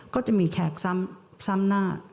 ก็จะมีแขกซ้ำหน้า